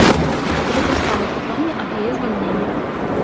Ужо паўстала пытанне аб яе звальненні.